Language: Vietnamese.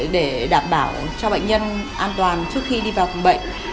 để đảm bảo cho bệnh nhân an toàn trước khi đi vào phòng bệnh